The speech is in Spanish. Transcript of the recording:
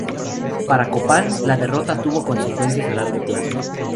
Para Copán la derrota tuvo consecuencias a largo plazo.